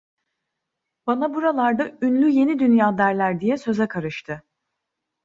Bana buralarda ünlü Yeni Dünya derler diye söze karıştı.